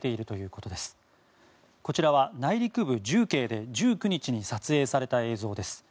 こちらは内陸部、重慶で１９日に撮影された映像です。